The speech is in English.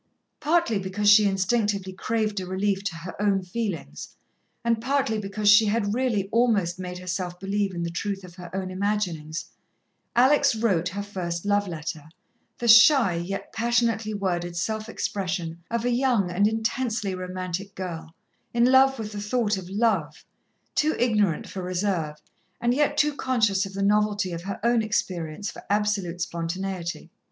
Partly because she instinctively craved a relief to her own feelings, and partly because she had really almost made herself believe in the truth of her own imaginings, Alex wrote her first love letter, the shy, yet passionately worded self expression of a young and intensely romantic girl, in love with the thought of Love, too ignorant for reserve, and yet too conscious of the novelty of her own experience for absolute spontaneity.